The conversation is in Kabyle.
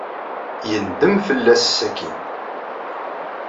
Yendem fell-as sakkin.